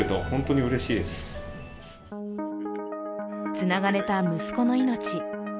つながれた息子の命。